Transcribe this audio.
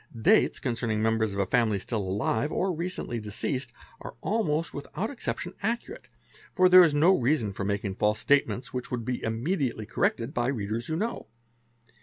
Dates concerning members of a family still alive or recently deceased, are almost without exception accurate, for there is no reason for making false statements which would be immediately corrected by readers who know.